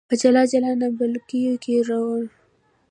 په جلا جلا نعلبکیو کې راوړل، لمبه یې واخیستل او مړه یې کړل.